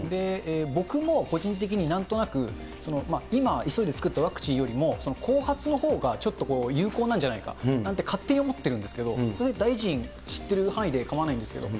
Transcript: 僕も個人的になんとなく、今は急いで作ったワクチンよりも、後発のほうがちょっと有効なんじゃないかって、勝手に思ってるんですけれども、そのへん、大臣知ってる範囲で構